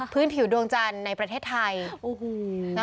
ผิวดวงจันทร์ในประเทศไทย